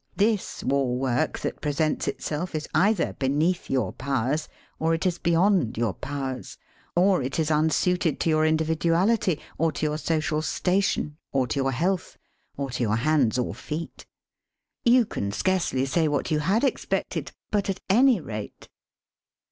This war work that presents itself is either beneath your powers, or it is beyond your powers ; or it is unsuited to your individuality or to your social station or to your health or to your hands or feet. You can scarcely say what you had expected, but at any rate